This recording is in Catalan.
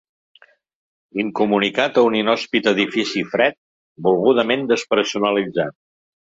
Incomunicat a un inhòspit edifici fred, volgudament despersonalitzat.